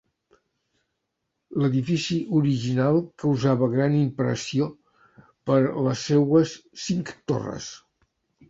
L'edifici original causava gran impressió per les seues cinc torres.